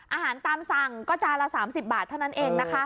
อาหารตามสั่งก็จานละ๓๐บาทเท่านั้นเองนะคะ